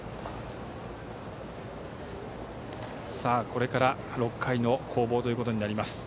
これから６回の攻防ということになります。